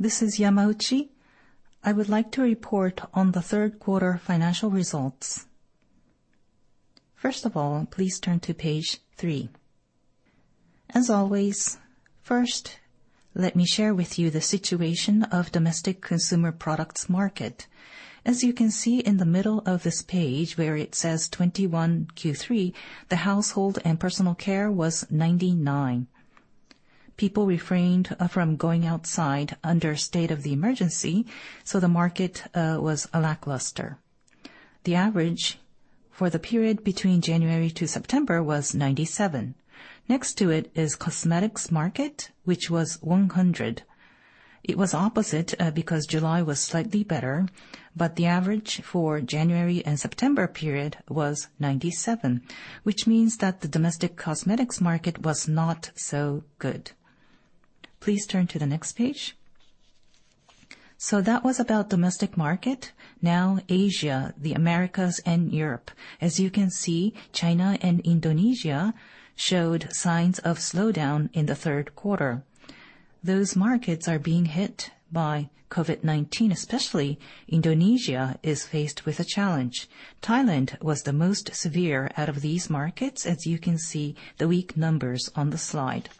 This is Yamauchi. I would like to report on the third quarter financial results. First of all, please turn to page 3. As always, first, let me share with you the situation of domestic consumer products market. As you can see in the middle of this page where it says 2021 Q3, the Household and Personal Care was 99. People refrained from going outside under the state of emergency, so the market was lackluster. The average for the period between January to September was 97. Next to it is cosmetics market, which was 100. It was opposite because July was slightly better, but the average for January to September period was 97, which means that the domestic cosmetics market was not so good. Please turn to the next page. That was about domestic market. Now, Asia, the Americas, and Europe. As you can see, China and Indonesia showed signs of slowdown in the third quarter. Those markets are being hit by COVID-19, especially Indonesia is faced with a challenge. Thailand was the most severe out of these markets, as you can see the weak numbers on the slide.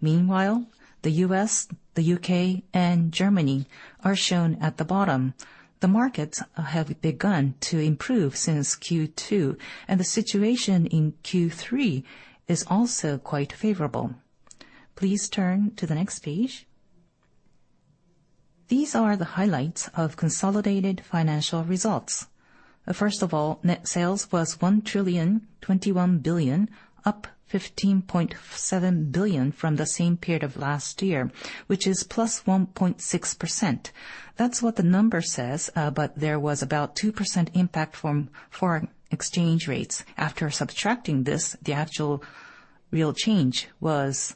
Meanwhile, the U.S., the U.K., and Germany are shown at the bottom. The markets have begun to improve since Q2, and the situation in Q3 is also quite favorable. Please turn to the next page. These are the highlights of consolidated financial results. First of all, net sales was 1,021 billion, up 15.7 billion from the same period of last year, which is +1.6%. That's what the number says, but there was about 2% impact from foreign exchange rates. After subtracting this, the actual real change was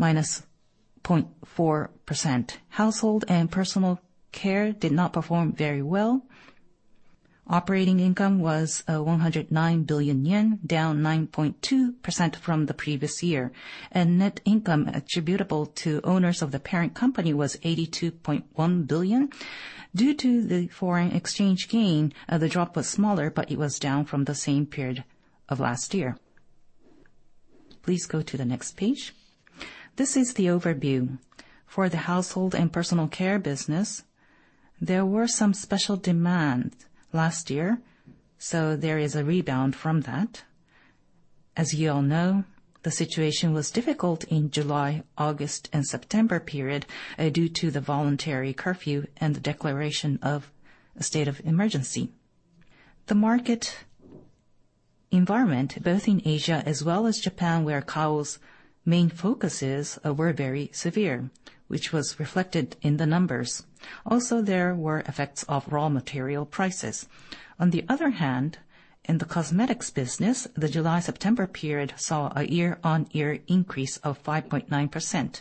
-0.4%. Household and Personal Care did not perform very well. Operating income was 109 billion yen, down 9.2% from the previous year. Net income attributable to owners of the parent company was 82.1 billion. Due to the foreign exchange gain, the drop was smaller, but it was down from the same period of last year. Please go to the next page. This is the overview. For the Household and Personal Care business, there were some special demands last year, so there is a rebound from that. As you all know, the situation was difficult in July, August, and September period, due to the voluntary curfew and the declaration of state of emergency. The market environment, both in Asia as well as Japan, where Kao's main focus is, were very severe, which was reflected in the numbers. Also, there were effects of raw material prices. On the other hand, in the Cosmetics business, the July-September period saw a year-on-year increase of 5.9%.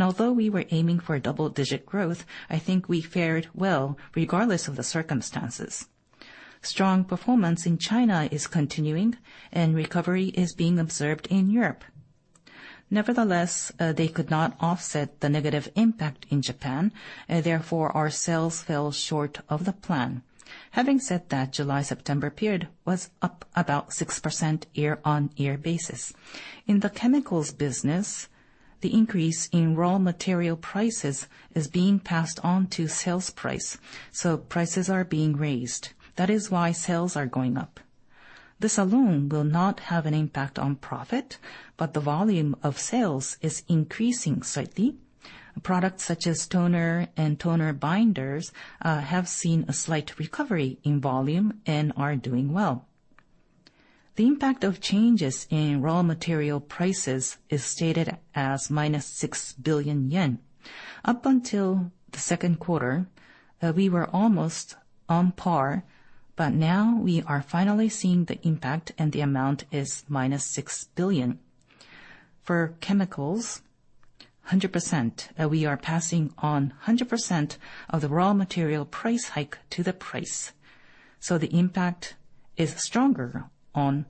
Although we were aiming for double-digit growth, I think we fared well regardless of the circumstances. Strong performance in China is continuing and recovery is being observed in Europe. Nevertheless, they could not offset the negative impact in Japan, therefore, our sales fell short of the plan. Having said that, July-September period was up about 6% on a year-on-year basis. In the Chemicals business, the increase in raw material prices is being passed on to sales price, so prices are being raised. That is why sales are going up. This alone will not have an impact on profit, but the volume of sales is increasing slightly. Products such as toner and toner binders have seen a slight recovery in volume and are doing well. The impact of changes in raw material prices is stated as -6 billion yen. Up until the second quarter, we were almost on par, but now we are finally seeing the impact and the amount is -6 billion. For Chemicals, 100%, we are passing on 100% of the raw material price hike to the price. The impact is stronger on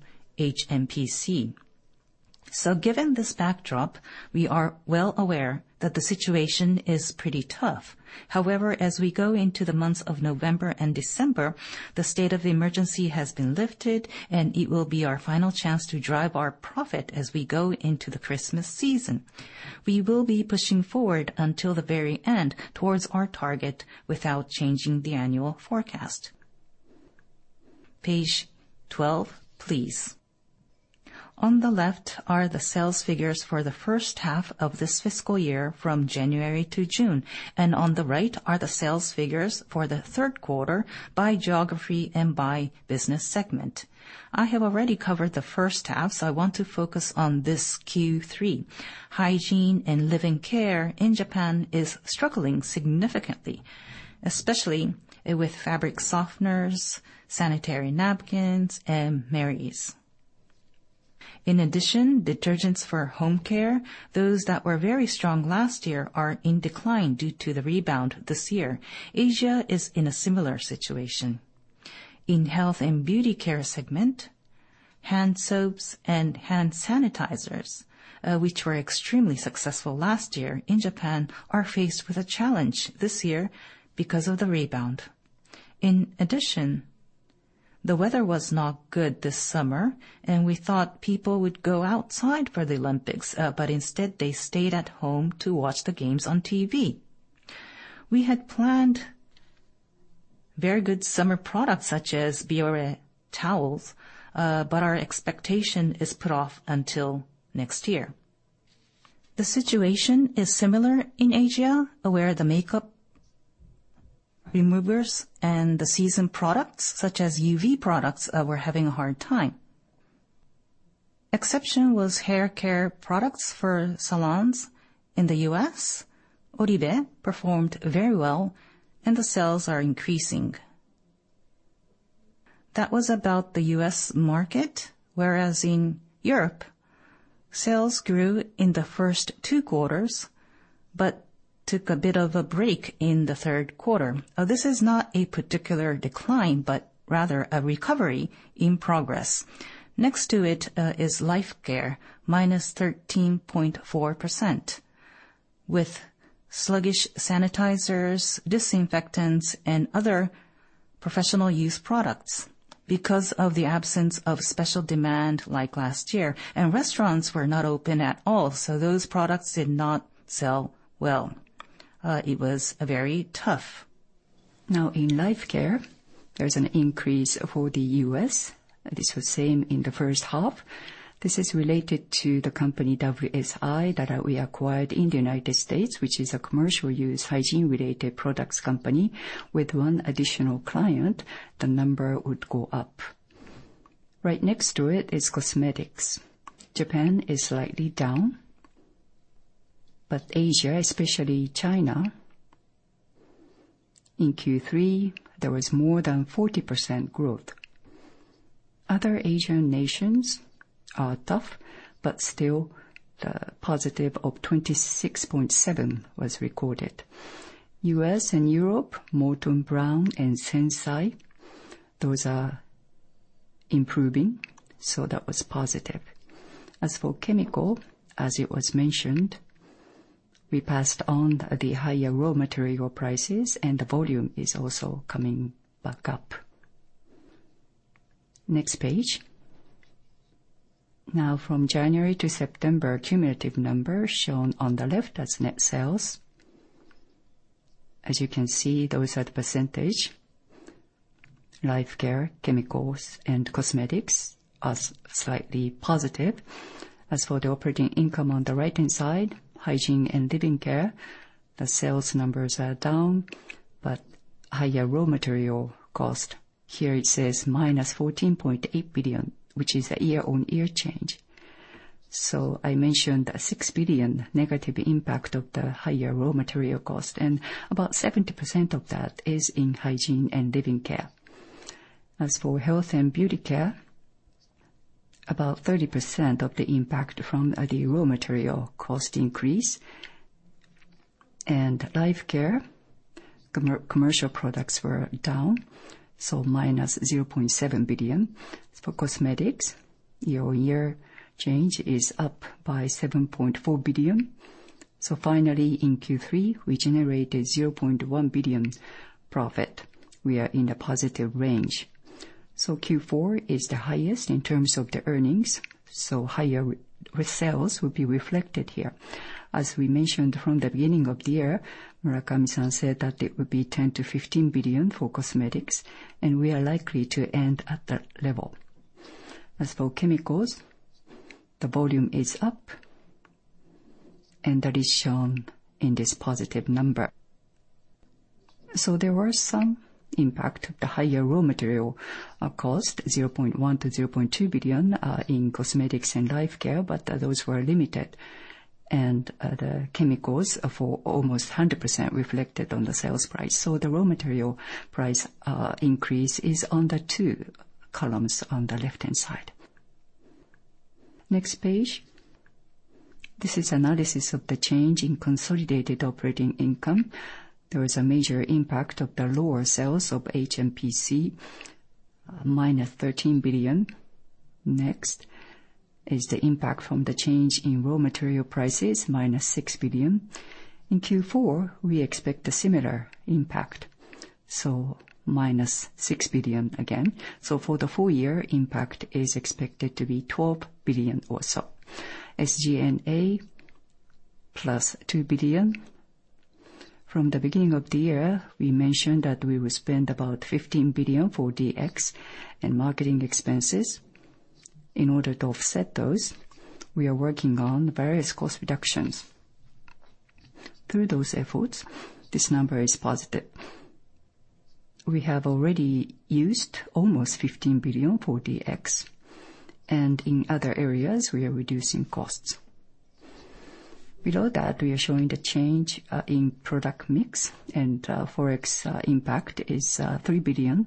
HMPC. Given this backdrop, we are well aware that the situation is pretty tough. However, as we go into the months of November and December, the state of emergency has been lifted and it will be our final chance to drive our profit as we go into the Christmas season. We will be pushing forward until the very end towards our target without changing the annual forecast. Page 12, please. On the left are the sales figures for the first half of this fiscal year from January to June, and on the right are the sales figures for the third quarter by geography and by business segment. I have already covered the first half, so I want to focus on this Q3. Hygiene and Living Care in Japan is struggling significantly, especially with fabric softeners, sanitary napkins, and Merries. In addition, detergents for home care, those that were very strong last year are in decline due to the rebound this year. Asia is in a similar situation. In Health and Beauty Care segment. Hand soaps and hand sanitizers, which were extremely successful last year in Japan, are faced with a challenge this year because of the rebound. In addition, the weather was not good this summer, and we thought people would go outside for the Olympics, but instead they stayed at home to watch the games on TV. We had planned very good summer products such as Bioré towels, but our expectation is put off until next year. The situation is similar in Asia, where the makeup removers and the seasonal products such as UV products were having a hard time. The exception was haircare products for salons in the U.S. Oribe performed very well and the sales are increasing. That was about the U.S. market. Whereas in Europe, sales grew in the first two quarters, but took a bit of a break in the third quarter. This is not a particular decline, but rather a recovery in progress. Next to it is Life Care, -13.4%, with sluggish sanitizers, disinfectants and other professional use products because of the absence of special demand like last year. Restaurants were not open at all, so those products did not sell well. It was very tough. Now in Life Care, there's an increase for the U.S. This was the same in the first half. This is related to the company WSI that we acquired in the United States, which is a commercial use hygiene related products company. With one additional client, the number would go up. Right next to it is Cosmetics. Japan is slightly down. Asia, especially China, in Q3 there was more than 40% growth. Other Asian nations are tough, but still the positive of 26.7% was recorded. U.S. and Europe, Molton Brown and SENSAI, those are improving, so that was positive. As for Chemicals, as it was mentioned, we passed on the higher raw material prices, and the volume is also coming back up. Next page. Now from January to September, cumulative numbers shown on the left as net sales. As you can see, those are the percentage. Life Care, Chemicals and Cosmetics are slightly positive. As for the operating income on the right-hand side, Hygiene and Living Care, the sales numbers are down but higher raw material cost. Here it says -14.8 billion, which is a year-on-year change. I mentioned the 6 billion negative impact of the higher raw material cost, and about 70% of that is in Hygiene and Living Care. As for Health and Beauty Care, about 30% of the impact from the raw material cost increase. Life Care, commercial products were down, so -0.7 billion. For Cosmetics, year-on-year change is up by 7.4 billion. Finally, in Q3, we generated 0.1 billion profit. We are in a positive range. Q4 is the highest in terms of the earnings, so higher with sales will be reflected here. As we mentioned from the beginning of the year, Murakami-san said that it would be 10 billion-15 billion for cosmetics, and we are likely to end at that level. As for Chemicals, the volume is up, and that is shown in this positive number. There was some impact. The higher raw material cost, 0.1 billion-0.2 billion, in Cosmetics and Life Care, but those were limited. The Chemicals for almost 100% reflected on the sales price. The raw material price increase is on the two columns on the left-hand side. Next page. This is analysis of the change in consolidated operating income. There is a major impact of the lower sales of HMPC, -13 billion. Next is the impact from the change in raw material prices, -6 billion. In Q4, we expect a similar impact, so -6 billion again. For the full year, impact is expected to be 12 billion or so. SG&A, +2 billion. From the beginning of the year, we mentioned that we would spend about 15 billion for DX and marketing expenses. In order to offset those, we are working on various cost reductions. Through those efforts, this number is positive. We have already used almost 15 billion for DX, and in other areas we are reducing costs. Below that, we are showing the change in product mix, and Forex impact is 3 billion,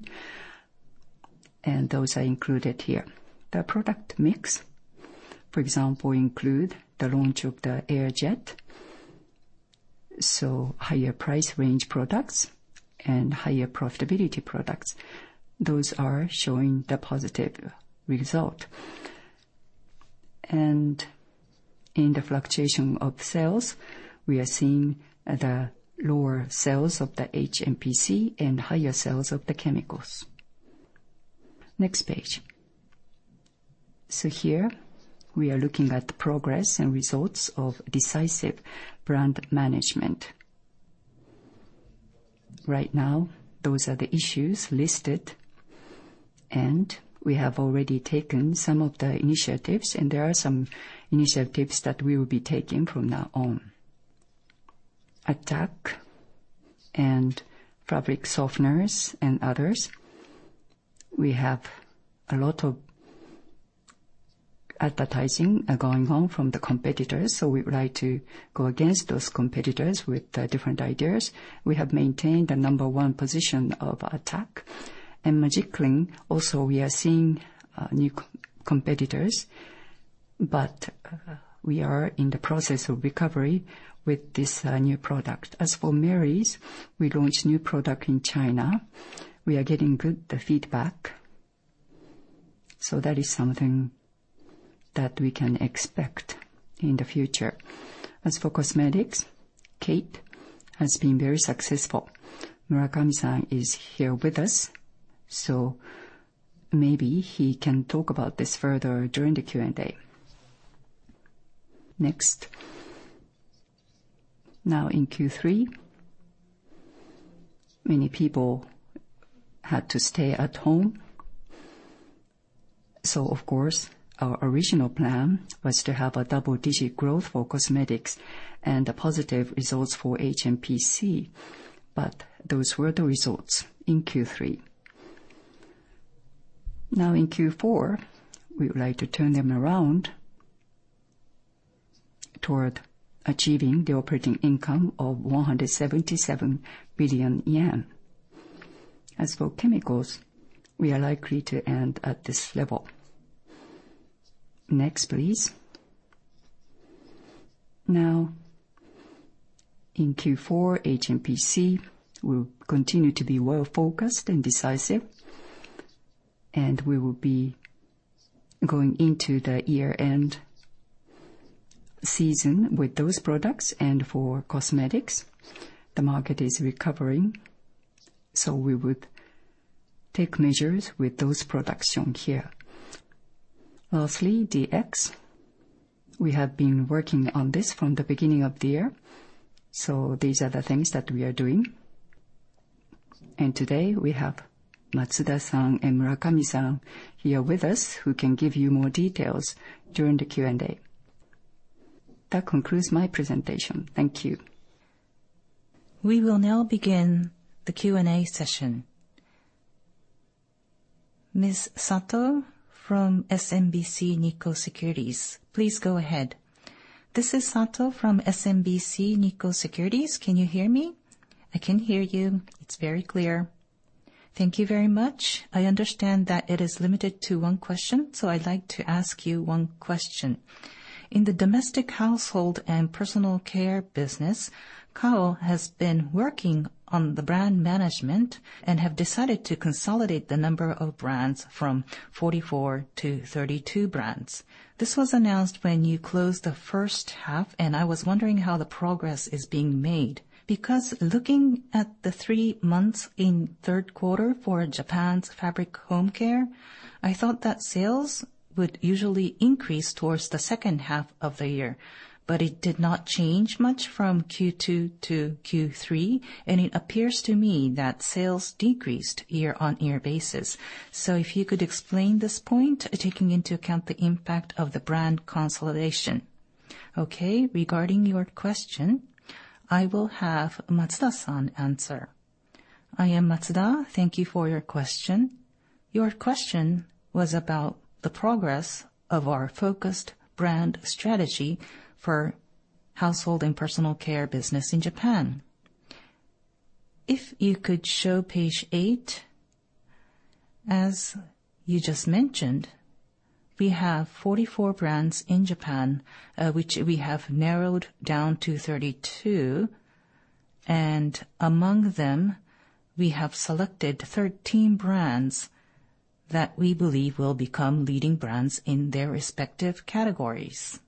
and those are included here. The product mix, for example, include the launch of the AirJet. So higher price range products and higher profitability products, those are showing the positive result. In the fluctuation of sales, we are seeing the lower sales of the HMPC and higher sales of the chemicals. Next page. Here we are looking at the progress and results of decisive brand management. Right now, those are the issues listed, and we have already taken some of the initiatives, and there are some initiatives that we will be taking from now on. Attack and fabric softeners and others, we have a lot of advertising going on from the competitors, so we would like to go against those competitors with different ideas. We have maintained the number one position of Attack. In Magiclean, also we are seeing new competitors, but we are in the process of recovery with this new product. As for Merries, we launched new product in China. We are getting good feedback. That is something that we can expect in the future. As for Cosmetics, KATE has been very successful. Murakami-san is here with us, so maybe he can talk about this further during the Q&A. Next. Now in Q3, many people had to stay at home. Of course, our original plan was to have a double-digit growth for Cosmetics and a positive results for HMPC, but those were the results in Q3. Now in Q4, we would like to turn them around toward achieving the operating income of 177 billion yen. As for Chemicals, we are likely to end at this level. Next, please. Now, in Q4, HMPC will continue to be well-focused and decisive, and we will be going into the year-end season with those products. For cosmetics, the market is recovering, so we would take measures with those products shown here. Lastly, DX. We have been working on this from the beginning of the year, so these are the things that we are doing. Today we have Matsuda-san and Murakami-san here with us, who can give you more details during the Q&A. That concludes my presentation. Thank you. We will now begin the Q&A session. Ms. Sato from SMBC Nikko Securities, please go ahead. This is Sato from SMBC Nikko Securities. Can you hear me? I can hear you. It's very clear. Thank you very much. I understand that it is limited to one question, so I'd like to ask you one question. In the domestic Household and Personal Care business, Kao has been working on the brand management and have decided to consolidate the number of brands from 44 to 32 brands. This was announced when you closed the first half, and I was wondering how the progress is being made. Because looking at the three months in third quarter for Japan's fabric home care, I thought that sales would usually increase towards the second half of the year, but it did not change much from Q2 to Q3, and it appears to me that sales decreased year-on-year basis. If you could explain this point, taking into account the impact of the brand consolidation. Okay. Regarding your question, I will have Matsuda-san answer. I am Matsuda. Thank you for your question. Your question was about the progress of our focused brand strategy for Household and Personal Care business in Japan. If you could show page 8. As you just mentioned, we have 44 brands in Japan, which we have narrowed down to 32, and among them, we have selected 13 brands that we believe will become leading brands in their respective categories.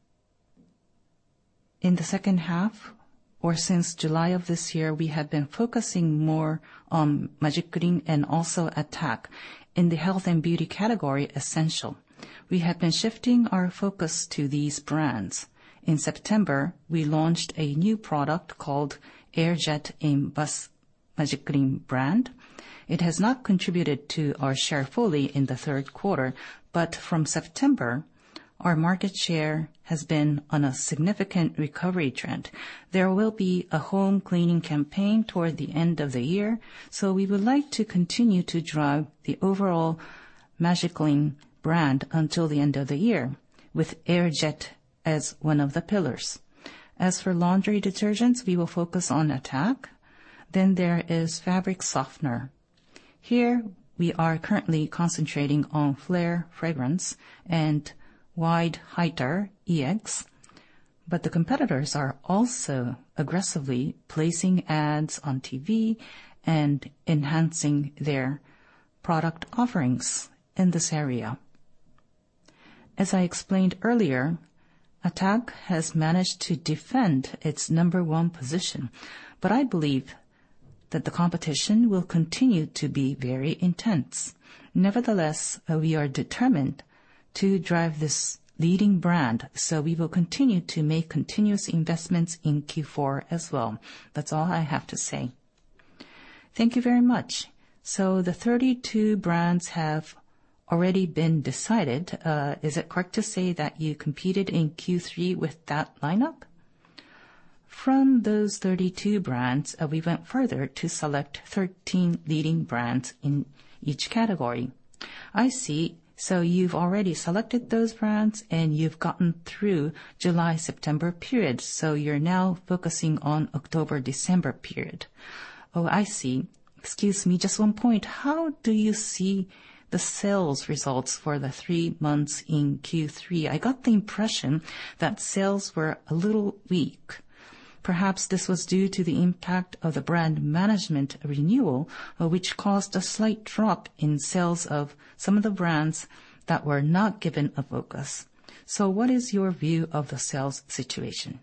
In the second half, or since July of this year, we have been focusing more on Magiclean and also Attack. In the health and beauty category, Essential. We have been shifting our focus to these brands. In September, we launched a new product called AirJet in Bath Magiclean brand. It has not contributed to our share fully in the third quarter, but from September, our market share has been on a significant recovery trend. There will be a home cleaning campaign toward the end of the year, so we would like to continue to drive the overall Magiclean brand until the end of the year with AirJet as one of the pillars. As for laundry detergents, we will focus on Attack. There is fabric softener. Here we are currently concentrating on FLAIR Fragrance and Wide Haiter EX, but the competitors are also aggressively placing ads on TV and enhancing their product offerings in this area. As I explained earlier, Attack has managed to defend its number one position, but I believe that the competition will continue to be very intense. Nevertheless, we are determined to drive this leading brand, so we will continue to make continuous investments in Q4 as well. That's all I have to say. Thank you very much. The 32 brands have already been decided. Is it correct to say that you competed in Q3 with that lineup? From those 32 brands, we went further to select 13 leading brands in each category. I see. You've already selected those brands and you've gotten through July-September period. You're now focusing on October-December period. Oh, I see. Excuse me, just one point. How do you see the sales results for the three months in Q3? I got the impression that sales were a little weak. Perhaps this was due to the impact of the brand management renewal, which caused a slight drop in sales of some of the brands that were not given a focus. What is your view of the sales situation?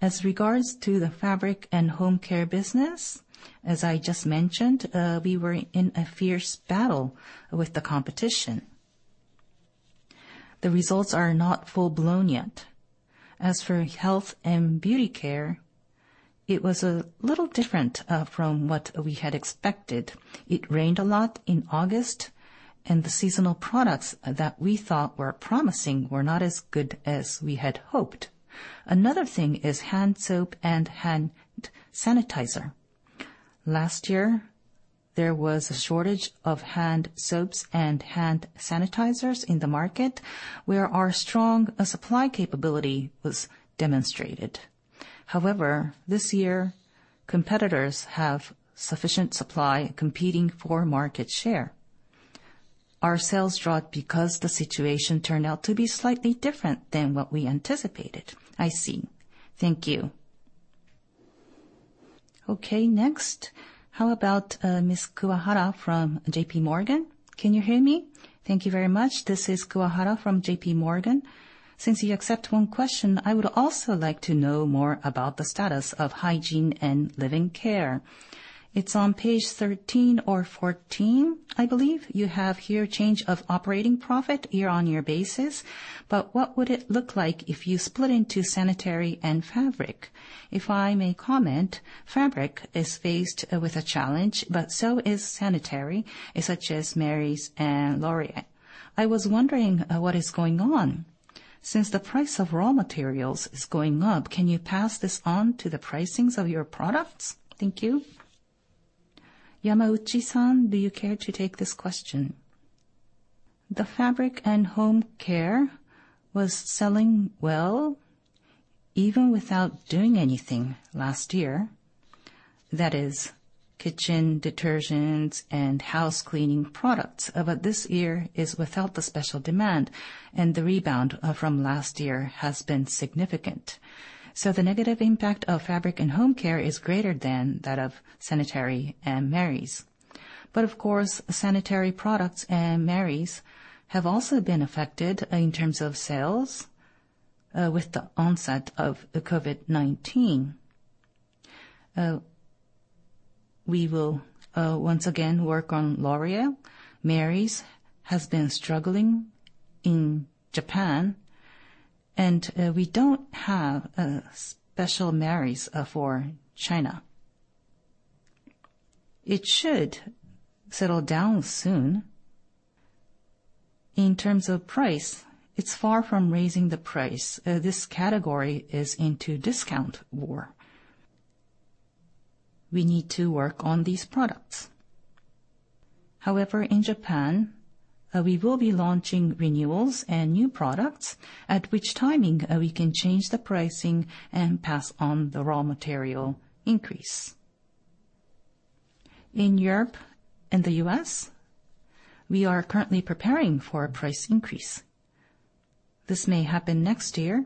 As regards to the Fabric and Home Care business, as I just mentioned, we were in a fierce battle with the competition. The results are not full-blown yet. As for Health and Beauty Care, it was a little different from what we had expected. It rained a lot in August, and the seasonal products that we thought were promising were not as good as we had hoped. Another thing is hand soap and hand sanitizer. Last year, there was a shortage of hand soaps and hand sanitizers in the market where our strong supply capability was demonstrated. However, this year, competitors have sufficient supply competing for market share. Our sales dropped because the situation turned out to be slightly different than what we anticipated. I see. Thank you. Okay. Next, how about Ms. Kuwahara from JPMorgan? Can you hear me? Thank you very much. This is Kuwahara from JPMorgan. Since you accept one question, I would also like to know more about the status of Hygiene and Living Care. It's on page 13 or 14, I believe. You have here change of operating profit year-on-year basis, but what would it look like if you split into sanitary and fabric? If I may comment, fabric is faced with a challenge, but so is sanitary, such as Merries and Laurier. I was wondering, what is going on. Since the price of raw materials is going up, can you pass this on to the pricings of your products? Thank you. Yamauchi-san, do you care to take this question? The Fabric and Home Care was selling well even without doing anything last year. That is kitchen detergents and house cleaning products. But this year is without the special demand, and the rebound, from last year has been significant. The negative impact of Fabric and Home Care is greater than that of sanitary and Merries. Of course, sanitary products and Merries have also been affected in terms of sales with the onset of the COVID-19. We will once again work on Laurier. Merries has been struggling in Japan, and we don't have a special Merries for China. It should settle down soon. In terms of price, it's far from raising the price. This category is into discount war. We need to work on these products. In Japan, we will be launching renewals and new products at which timing we can change the pricing and pass on the raw material increase. In Europe and the U.S., we are currently preparing for a price increase. This may happen next year.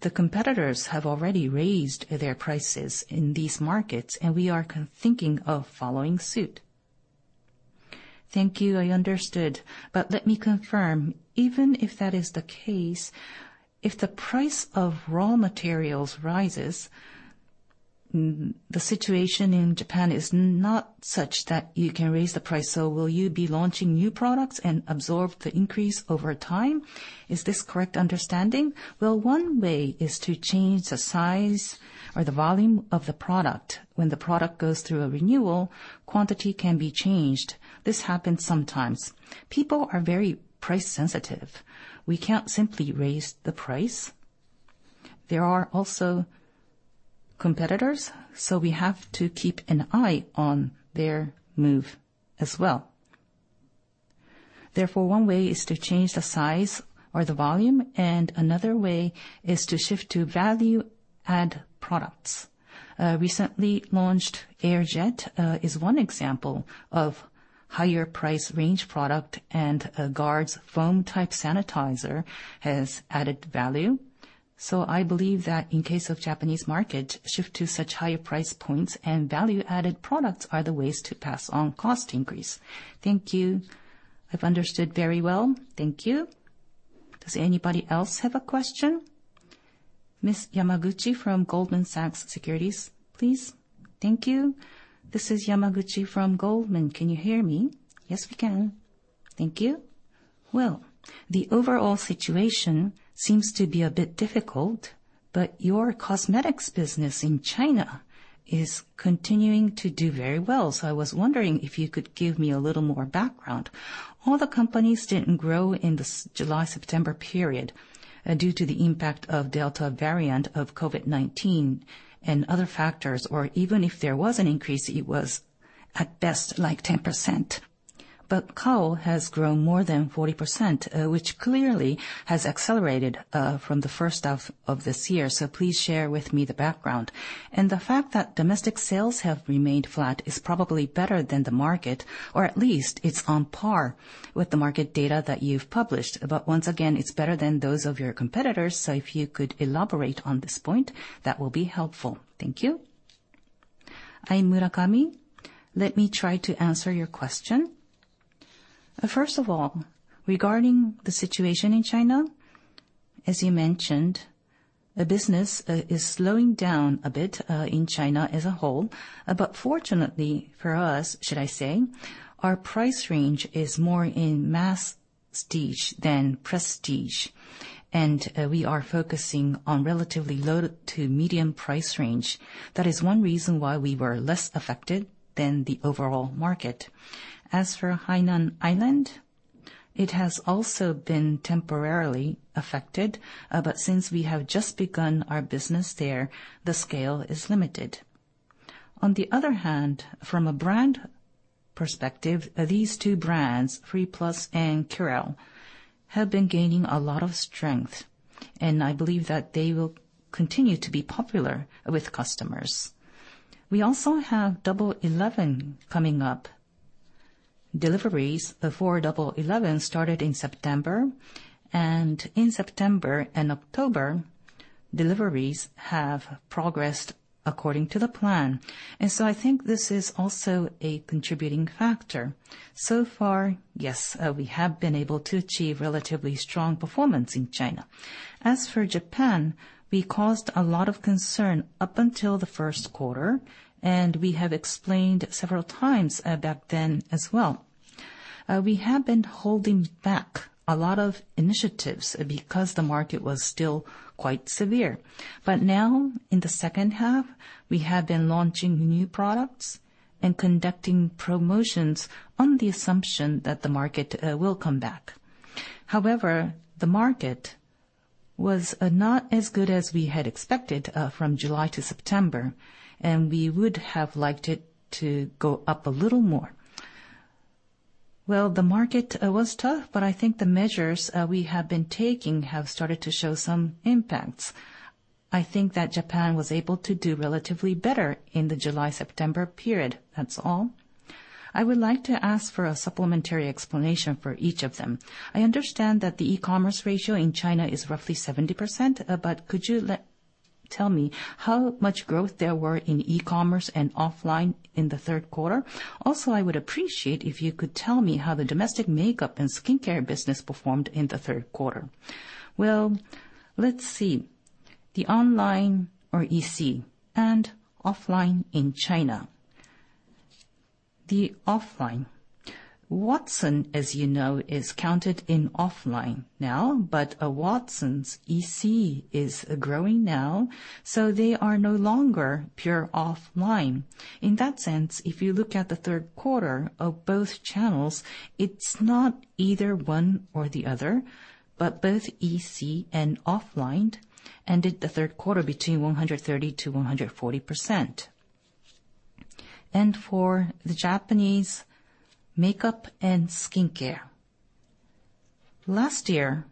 The competitors have already raised their prices in these markets, and we are thinking of following suit. Thank you. I understood. Let me confirm. Even if that is the case, if the price of raw materials rises, the situation in Japan is not such that you can raise the price. Will you be launching new products and absorb the increase over time? Is this correct understanding? Well, one way is to change the size or the volume of the product. When the product goes through a renewal, quantity can be changed. This happens sometimes. People are very price sensitive. We can't simply raise the price. There are also competitors, so we have to keep an eye on their move as well. Therefore, one way is to change the size or the volume, and another way is to shift to value-add products. Recently launched AirJet is one example of higher price range product, and Bioré GUARD foam-type sanitizer has added value. I believe that in case of Japanese market, shift to such higher price points and value-added products are the ways to pass on cost increase. Thank you. I've understood very well. Thank you. Does anybody else have a question? Ms. Yamaguchi from Goldman Sachs, please. Thank you. This is Yamaguchi from Goldman Sachs. Can you hear me? Yes, we can. Thank you. Well, the overall situation seems to be a bit difficult, but your Cosmetics business in China is continuing to do very well. I was wondering if you could give me a little more background. All the companies didn't grow in the July-September period due to the impact of Delta variant of COVID-19 and other factors, or even if there was an increase, it was at best like 10%. Kao has grown more than 40%, which clearly has accelerated from the first half of this year. Please share with me the background. The fact that domestic sales have remained flat is probably better than the market, or at least it's on par with the market data that you've published. Once again, it's better than those of your competitors. If you could elaborate on this point, that will be helpful. Thank you. I'm Murakami. Let me try to answer your question. First of all, regarding the situation in China, as you mentioned, the business is slowing down a bit in China as a whole. Fortunately for us, should I say, our price range is more in masstige than prestige, and we are focusing on relatively low to medium price range. That is one reason why we were less affected than the overall market. As for Hainan Island, it has also been temporarily affected, but since we have just begun our business there, the scale is limited. On the other hand, from a brand perspective, these two brands, freeplus and Curél, have been gaining a lot of strength, and I believe that they will continue to be popular with customers. We also have Double 11 coming up. Deliveries for Double 11 started in September, and in September and October, deliveries have progressed according to the plan. I think this is also a contributing factor. So far, yes, we have been able to achieve relatively strong performance in China. As for Japan, we caused a lot of concern up until the first quarter, and we have explained several times, back then as well. We have been holding back a lot of initiatives because the market was still quite severe. Now, in the second half, we have been launching new products and conducting promotions on the assumption that the market will come back. However, the market was not as good as we had expected from July to September, and we would have liked it to go up a little more. Well, the market was tough, but I think the measures we have been taking have started to show some impacts. I think that Japan was able to do relatively better in the July-September period. That's all. I would like to ask for a supplementary explanation for each of them. I understand that the e-commerce ratio in China is roughly 70%, but could you tell me how much growth there were in e-commerce and offline in the third quarter? Also, I would appreciate if you could tell me how the domestic makeup and skincare business performed in the third quarter. Well, let's see. The online or EC and offline in China. The offline. Watsons, as you know, is counted in offline now, but Watsons' EC is growing now, so they are no longer pure offline. In that sense, if you look at the third quarter of both channels, it's not either one or the other, but both EC and offline ended the third quarter between 130% and 140%. For the Japanese makeup and skincare. Last year,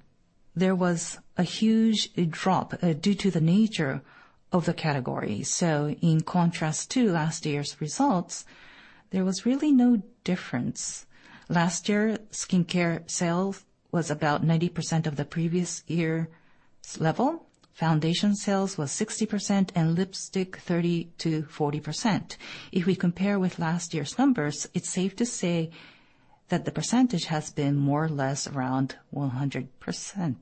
there was a huge drop due to the nature of the category. In contrast to last year's results, there was really no difference. Last year, skincare sales was about 90% of the previous year's level. Foundation sales was 60% and lipstick 30%-40%. If we compare with last year's numbers, it's safe to say that the percentage has been more or less around 100%.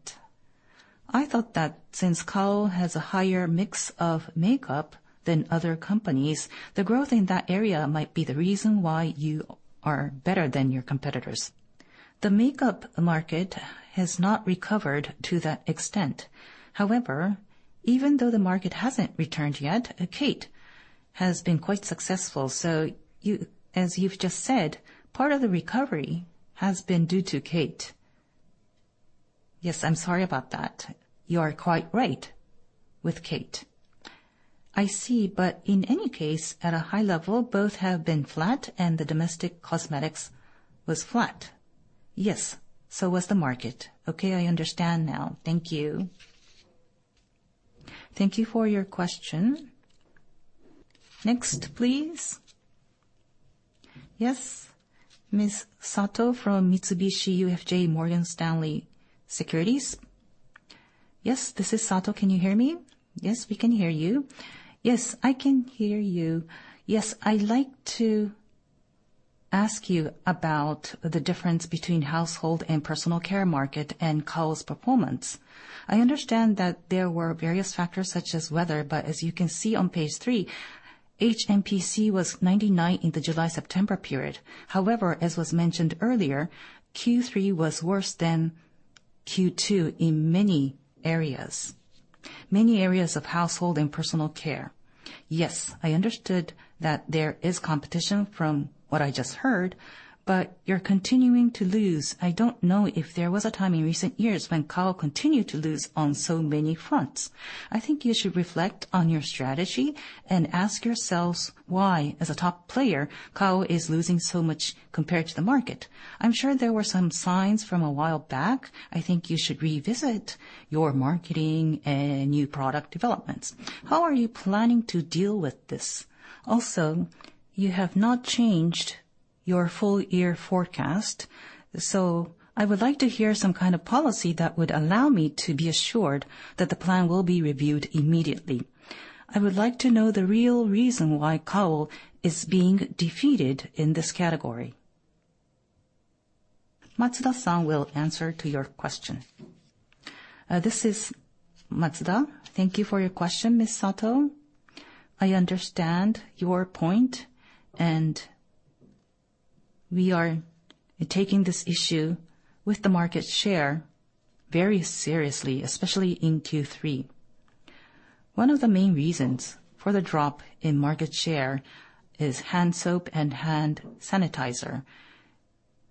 I thought that since Kao has a higher mix of makeup than other companies, the growth in that area might be the reason why you are better than your competitors. The makeup market has not recovered to that extent. However, even though the market hasn't returned yet, KATE has been quite successful. You, as you've just said, part of the recovery has been due to KATE. Yes, I'm sorry about that. You are quite right. With KATE. I see, but in any case, at a high level, both have been flat, and the domestic Cosmetics was flat. Yes. Was the market. Okay, I understand now. Thank you. Thank you for your question. Next, please. Yes, Ms. Sato from Mitsubishi UFJ Morgan Stanley Securities. Yes, this is Sato. Can you hear me? Yes, we can hear you. Yes, I can hear you. Yes, I'd like to ask you about the difference between Household and Personal Care market and Kao's performance. I understand that there were various factors, such as weather, but as you can see on page 3, HMPC was 99 in the July-September period. However, as was mentioned earlier, Q3 was worse than Q2 in many areas of Household and Personal Care. Yes, I understood that there is competition from what I just heard, but you're continuing to lose. I don't know if there was a time in recent years when Kao continued to lose on so many fronts. I think you should reflect on your strategy and ask yourselves why, as a top player, Kao is losing so much compared to the market. I'm sure there were some signs from a while back. I think you should revisit your marketing and new product developments. How are you planning to deal with this? Also, you have not changed your full year forecast, so I would like to hear some kind of policy that would allow me to be assured that the plan will be reviewed immediately. I would like to know the real reason why Kao is being defeated in this category. Matsuda-san will answer to your question. This is Matsuda. Thank you for your question, Ms. Sato. I understand your point, and we are taking this issue with the market share very seriously, especially in Q3. One of the main reasons for the drop in market share is hand soap and hand sanitizer.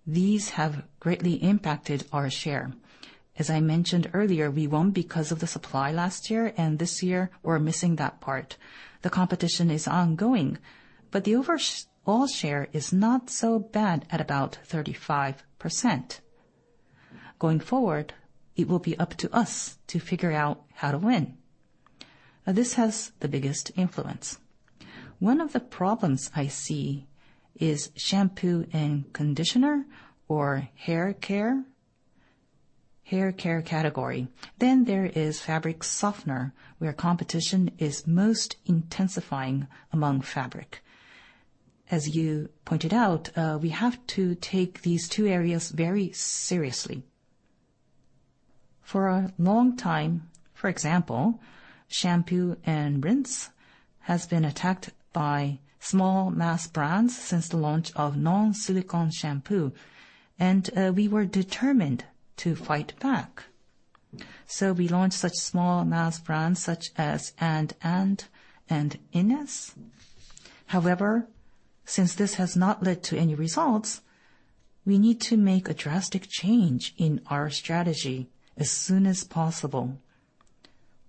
These have greatly impacted our share. As I mentioned earlier, because of the supply last year, and this year we're missing that part. The competition is ongoing, but the overall share is not so bad at about 35%. Going forward, it will be up to us to figure out how to win. This has the biggest influence. One of the problems I see is shampoo and conditioner or hair care category. Then there is fabric softener, where competition is most intensifying among fabric. As you pointed out, we have to take these two areas very seriously. For a long time, for example, shampoo and rinse has been attacked by smart mass brands since the launch of non-silicone shampoo, and we were determined to fight back. We launched such smart mass brands such as andand and ines. However, since this has not led to any results, we need to make a drastic change in our strategy as soon as possible.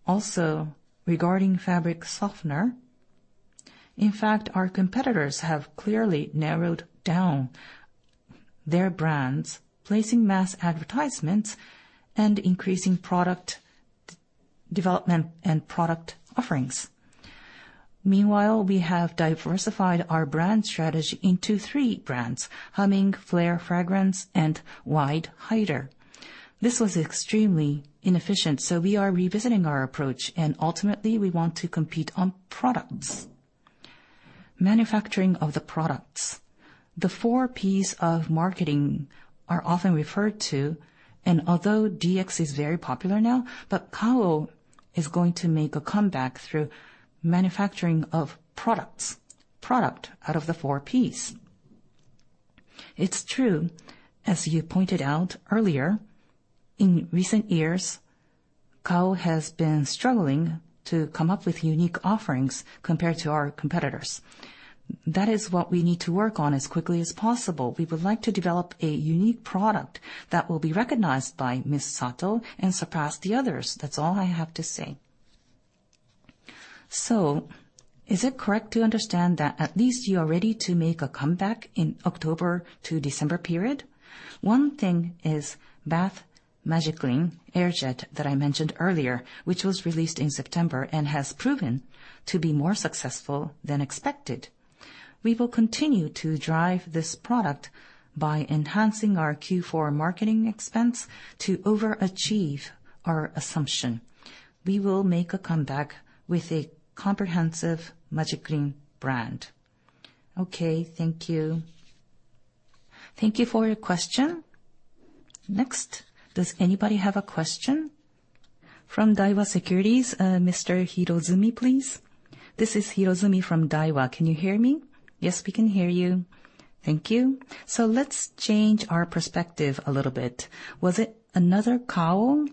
Also, regarding fabric softener, in fact, our competitors have clearly narrowed down their brands, placing mass advertisements and increasing product development and product offerings. Meanwhile, we have diversified our brand strategy into three brands, Humming, FLAIR Fragrance, and Wide Haiter. This was extremely inefficient, so we are revisiting our approach, and ultimately, we want to compete on products manufacturing of the products. The four Ps of marketing are often referred to, and although DX is very popular now, but Kao is going to make a comeback through manufacturing of products, product out of the four Ps. It's true, as you pointed out earlier, in recent years, Kao has been struggling to come up with unique offerings compared to our competitors. That is what we need to work on as quickly as possible. We would like to develop a unique product that will be recognized by Ms. Sato and surpass the others. That's all I have to say. Is it correct to understand that at least you are ready to make a comeback in October to December period? One thing is Bath Magiclean AirJet that I mentioned earlier, which was released in September and has proven to be more successful than expected. We will continue to drive this product by enhancing our Q4 marketing expense to overachieve our assumption. We will make a comeback with a comprehensive Magiclean brand. Okay, thank you. Thank you for your question. Next, does anybody have a question? From Daiwa Securities, Mr. Hirozumi, please. This is Hirozumi from Daiwa. Can you hear me? Yes, we can hear you. Thank you. Let's change our perspective a little bit. Was it Another Kao?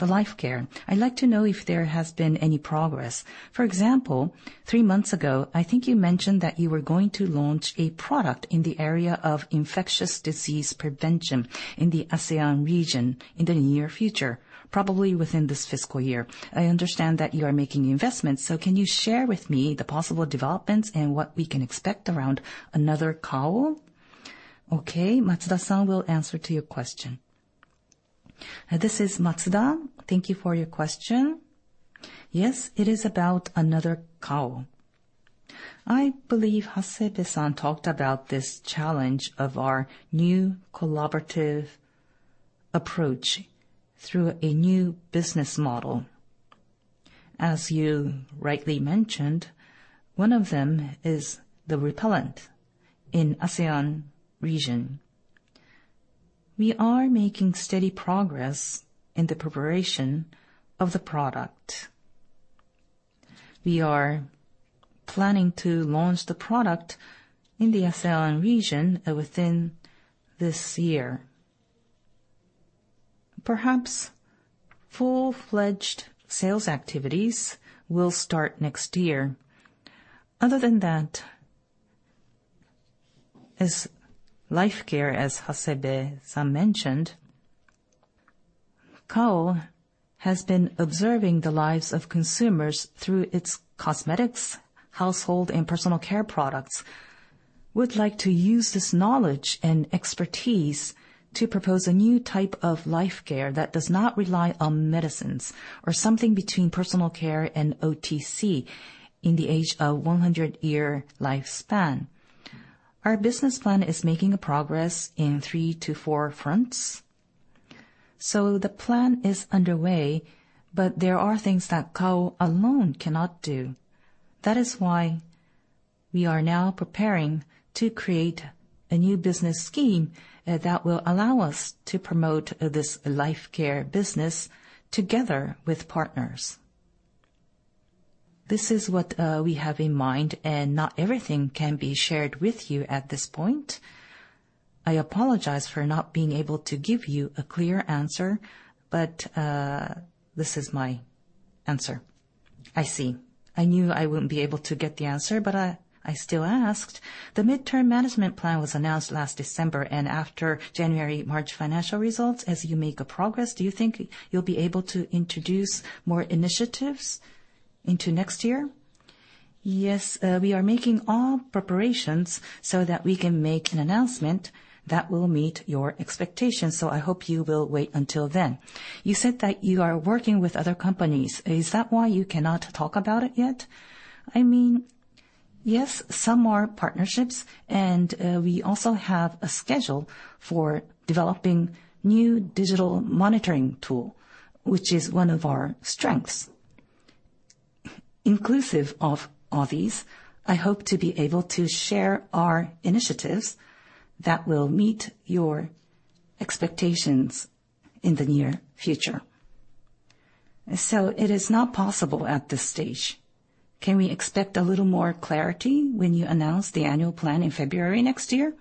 The Life Care. I'd like to know if there has been any progress. For example, three months ago, I think you mentioned that you were going to launch a product in the area of infectious disease prevention in the ASEAN region in the near future, probably within this fiscal year. I understand that you are making investments. Can you share with me the possible developments and what we can expect around Another Kao? Okay. Matsuda-san will answer to your question. This is Matsuda. Thank you for your question. Yes, it is about Another Kao. I believe Hasebe-san talked about this challenge of our new collaborative approach through a new business model. As you rightly mentioned, one of them is the repellent in ASEAN region. We are making steady progress in the preparation of the product. We are planning to launch the product in the ASEAN region within this year. Perhaps full-fledged sales activities will start next year. Other than that, as Life Care, as Hasebe-san mentioned, Kao has been observing the lives of consumers through its Cosmetics, Household and Personal Care products. We'd like to use this knowledge and expertise to propose a new type of Life Care that does not rely on medicines or something between personal care and OTC in the age of 100-year lifespan. Our business plan is making progress in three to four fronts. The plan is underway, but there are things that Kao alone cannot do. That is why we are now preparing to create a new business scheme that will allow us to promote this Life Care business together with partners. This is what we have in mind, and not everything can be shared with you at this point. I apologize for not being able to give you a clear answer, but this is my answer. I see. I knew I wouldn't be able to get the answer, but I still asked. The midterm management plan was announced last December, and after January-March financial results, as you make progress, do you think you'll be able to introduce more initiatives into next year? Yes, we are making all preparations so that we can make an announcement that will meet your expectations, so I hope you will wait until then. You said that you are working with other companies. Is that why you cannot talk about it yet? I mean, yes, some are partnerships, and we also have a schedule for developing new digital monitoring tool, which is one of our strengths. Inclusive of all these, I hope to be able to share our initiatives that will meet your expectations in the near future. So it is not possible at this stage. Can we expect a little more clarity when you announce the annual plan in February next year?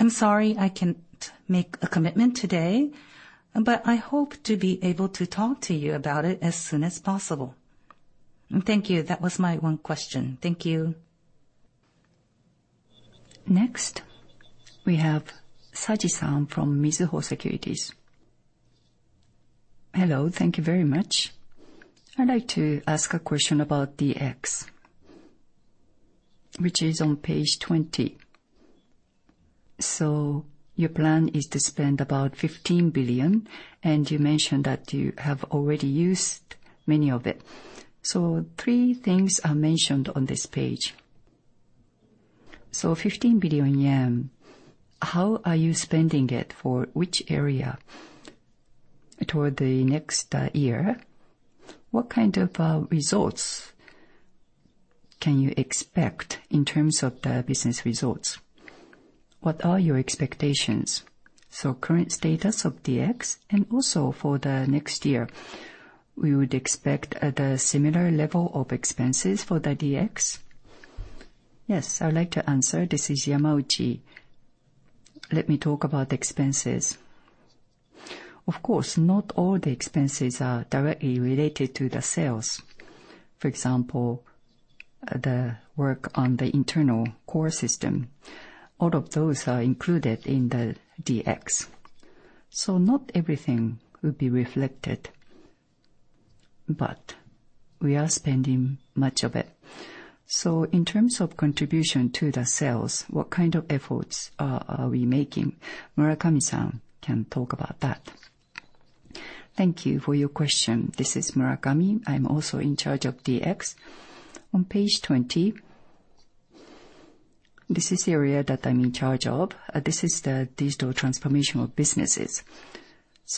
I'm sorry, I can't make a commitment today, but I hope to be able to talk to you about it as soon as possible. Thank you. That was my one question. Thank you. Next, we have Saji-san from Mizuho Securities. Hello. Thank you very much. I'd like to ask a question about DX, which is on page 20. Your plan is to spend about 15 billion, and you mentioned that you have already used many of it. Three things are mentioned on this page. 15 billion yen, how are you spending it? For which area? Toward the next year, what kind of results can you expect in terms of the business results? What are your expectations? Current status of DX and also for the next year, we would expect the similar level of expenses for the DX. Yes, I would like to answer. This is Yamauchi. Let me talk about expenses. Of course, not all the expenses are directly related to the sales. For example, the work on the internal core system. All of those are included in the DX. Not everything will be reflected, but we are spending much of it. In terms of contribution to the sales, what kind of efforts are we making? Murakami-san can talk about that. Thank you for your question. This is Murakami. I'm also in charge of DX. On page 20, this is the area that I'm in charge of. This is the digital transformation of businesses.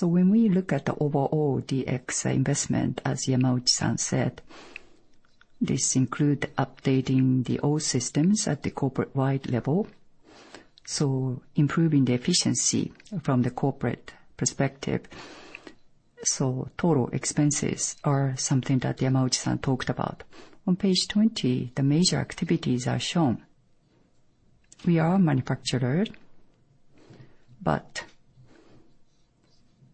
When we look at the overall DX investment, as Yamauchi-san said, this include updating the old systems at the corporate-wide level, so improving the efficiency from the corporate perspective. Total expenses are something that Yamauchi-san talked about. On page 20, the major activities are shown. We are manufacturer, but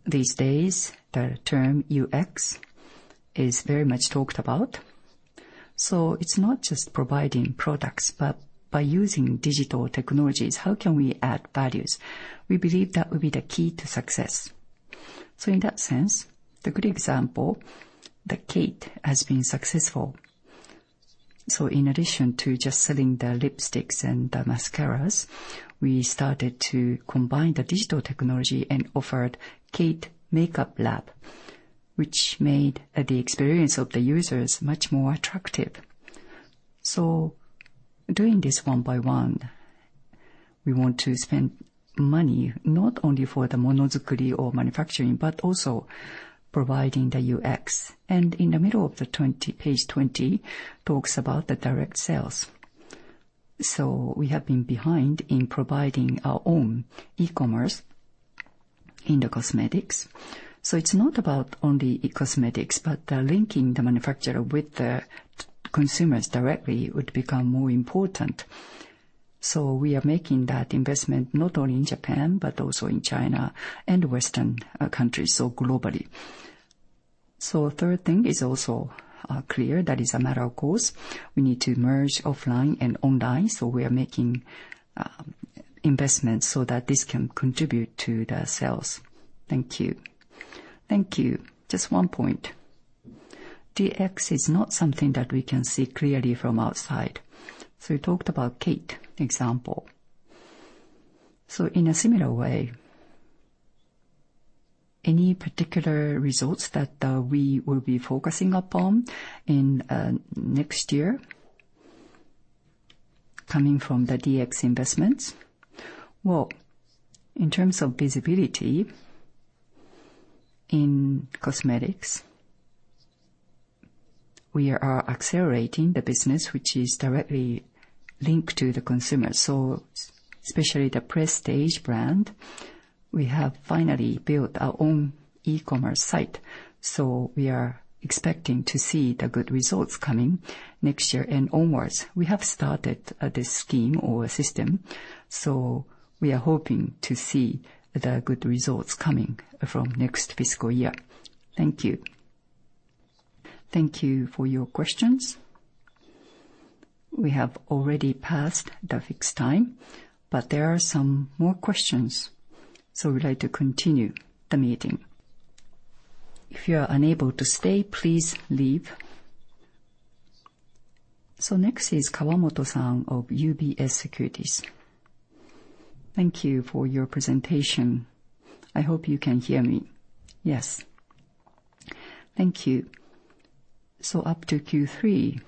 these days, the term UX is very much talked about. It's not just providing products, but by using digital technologies, how can we add values? We believe that would be the key to success. In that sense, the good example, the KATE has been successful. In addition to just selling the lipsticks and the mascaras, we started to combine the digital technology and offered KATE MAKEUP LAB, which made the experience of the users much more attractive. Doing this one by one, we want to spend money not only for the monozukuri or manufacturing, but also providing the UX. In the middle, page 20 talks about the direct sales. We have been behind in providing our own e-commerce in the Cosmetics. It's not about only e-cosmetics, but linking the manufacturer with the consumers directly would become more important. We are making that investment not only in Japan, but also in China and Western countries, so globally. Third thing is also clear that it's a matter of course, we need to merge offline and online, so we are making investments so that this can contribute to the sales. Thank you. Thank you. Just one point. DX is not something that we can see clearly from outside. You talked about KATE example. In a similar way, any particular results that we will be focusing upon in next year coming from the DX investments? Well, in terms of visibility in Cosmetics, we are accelerating the business, which is directly linked to the consumer. Especially the prestige brand, we have finally built our own e-commerce site, so we are expecting to see the good results coming next year and onwards. We have started this scheme or system, so we are hoping to see the good results coming from next fiscal year. Thank you. Thank you for your questions. We have already passed the fixed time, but there are some more questions, so we'd like to continue the meeting. If you are unable to stay, please leave. Next is Kawamoto-san of UBS Securities. Thank you for your presentation. I hope you can hear me. Yes. Thank you. Up to Q3,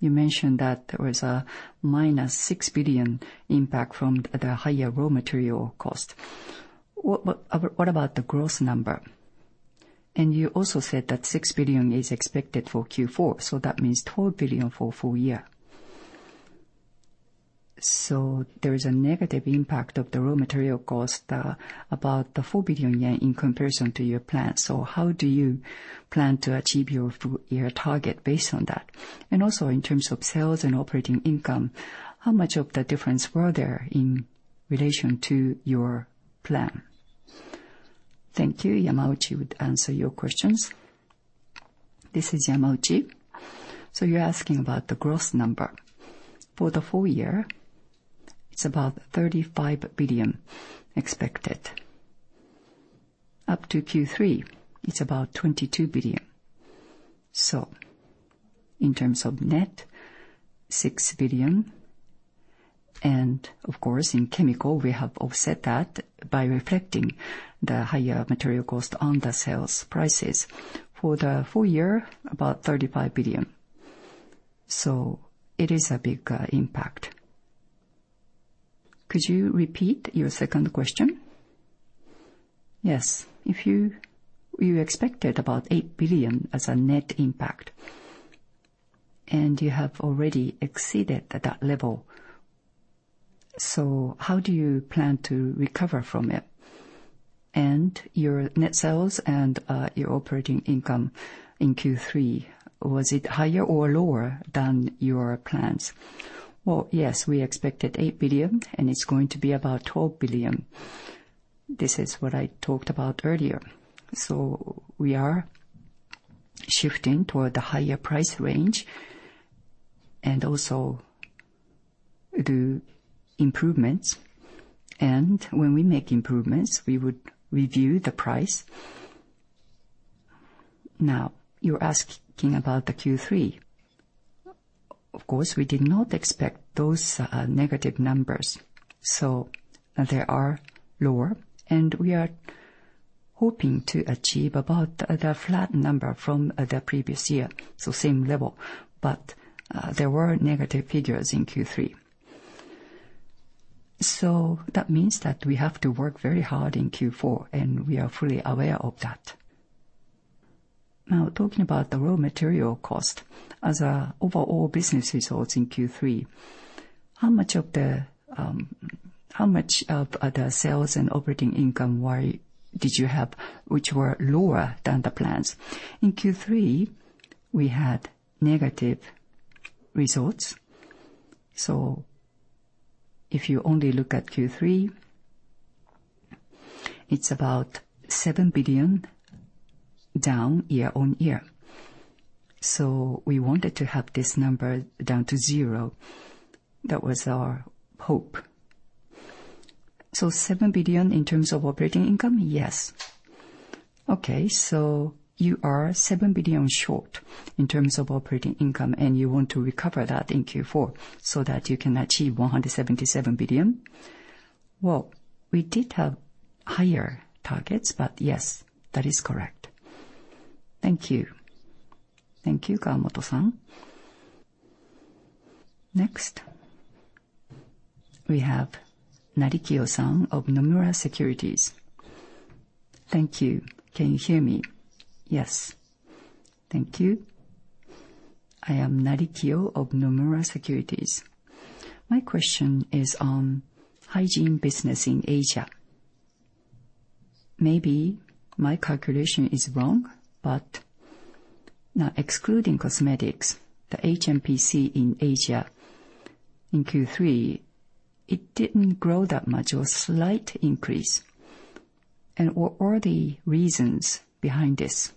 you mentioned that there was a -6 billion impact from the higher raw material cost. What about the growth number? You also said that 6 billion is expected for Q4, so that means 12 billion for full year. There is a negative impact of the raw material cost about the 4 billion yen in comparison to your plan. How do you plan to achieve your full year target based on that? Also in terms of sales and operating income, how much of the difference were there in relation to your plan? Thank you. Yamauchi would answer your questions. This is Yamauchi. So you're asking about the growth number. For the full year, it's about 35 billion expected. Up to Q3, it's about 22 billion. So in terms of net, 6 billion. Of course, in Chemicals, we have offset that by reflecting the higher material cost on the sales prices. For the full year, about 35 billion. So it is a big impact. Could you repeat your second question? Yes. If you expected about 8 billion as a net impact, and you have already exceeded that level. So how do you plan to recover from it? Your net sales and your operating income in Q3, was it higher or lower than your plans? Well, yes, we expected 8 billion, and it's going to be about 12 billion. This is what I talked about earlier. We are shifting toward the higher price range and also the improvements. When we make improvements, we would review the price. Now, you're asking about Q3. Of course, we did not expect those negative numbers. They are lower, and we are hoping to achieve about the flat number from the previous year, so same level. There were negative figures in Q3. That means we have to work very hard in Q4, and we are fully aware of that. Now, talking about the raw material cost as overall business results in Q3, how much of the sales and operating income were lower than the plans? In Q3 we had negative results. If you only look at Q3, it's about JPY 7 billion down year-over-year. We wanted to have this number down to zero. That was our hope. Seven billion in terms of operating income? Yes. Okay, so you are 7 billion short in terms of operating income, and you want to recover that in Q4 so that you can achieve 177 billion? Well, we did have higher targets, but yes, that is correct. Thank you. Thank you, Kawamoto-san. Next we have Narikiyo-san of Nomura Securities. Thank you. Can you hear me? Yes. Thank you. I am Narikiyo of Nomura Securities. My question is on hygiene business in Asia. Maybe my calculation is wrong, but now excluding cosmetics, the HMPC in Asia in Q3, it didn't grow that much. It was slight increase. What are the reasons behind this?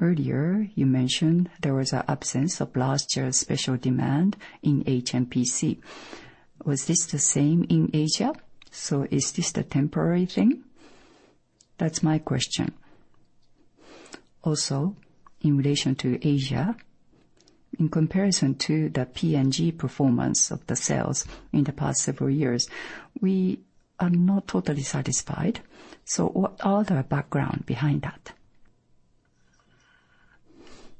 Earlier you mentioned there was an absence of last year's special demand in HMPC. Was this the same in Asia? Is this a temporary thing? That's my question. Also, in relation to Asia, in comparison to the P&G performance of the sales in the past several years, we are not totally satisfied. What are the background behind that?